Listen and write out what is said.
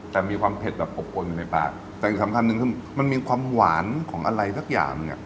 แต่มีความเผ็ดแบบอบอวนอยู่ในปากแต่อีกสำคัญหนึ่งคือมันมีความหวานของอะไรสักอย่างหนึ่งอ่ะ